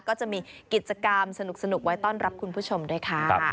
ก็จะมีกิจกรรมสนุกไว้ต้อนรับคุณผู้ชมด้วยค่ะ